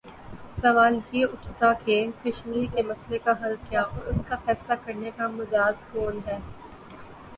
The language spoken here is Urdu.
سوال یہ اٹھتا کہ کشمیر کے مسئلے کا حل کیا اور اس کا فیصلہ کرنے کا مجاز کون ہے؟